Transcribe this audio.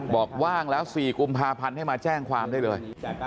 ว่างแล้ว๔กุมภาพันธ์ให้มาแจ้งความได้เลย